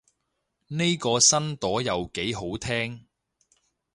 呢個新朵又幾好聽